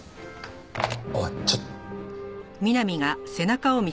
おいちょっ！